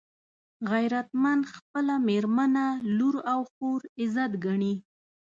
غیرتمند خپله مېرمنه، لور او خور عزت ګڼي